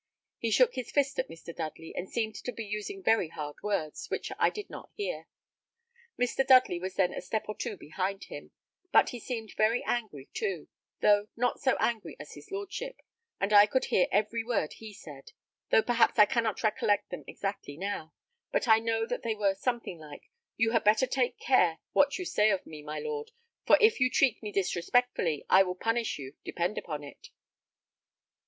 He shook his fist at Mr. Dudley, and seemed to be using very hard words, which I did not hear. Mr. Dudley was then a step or two behind him, but he seemed very angry too, though not so angry as his lordship; and I could hear every word he said, though perhaps I cannot recollect them exactly now, but I know that they were something like, 'You had better take care what you say of me, my lord, for if you treat me disrespectfully, I will punish you, depend upon it.'"